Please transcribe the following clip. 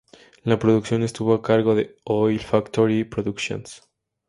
La producción estuvo a cargo de Oil Factory Productions.